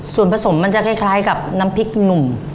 ส่วนผสมมันจะคล้ายกับน้ำพริกหนุ่ม